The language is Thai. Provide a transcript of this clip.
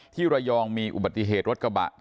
ที่ระยองมีอุบัติเหตุรถกระบะ